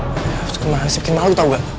masih kemarin sih bikin malu tau gak